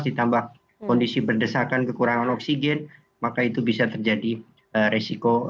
ditambah kondisi berdesakan kekurangan oksigen maka itu bisa terjadi resiko